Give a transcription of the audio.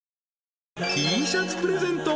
［Ｔシャツプレゼント。